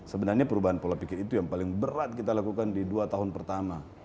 sebenarnya perubahan pola pikir itu yang paling berat kita lakukan di dua tahun pertama